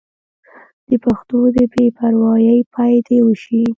د پښتو د بې پروايۍ پای دې وشي.